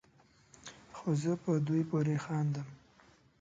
خو زه په دوی پورې خاندم